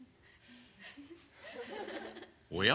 おや？